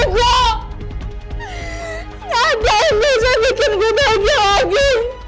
nggak ada yang bisa bikin gue bahagia lagi